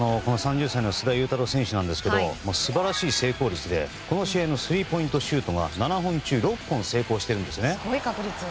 須田侑太郎選手ですが素晴らしい成功率で、この試合のスリーポイントシュートが７本中６本成功してるんですよね。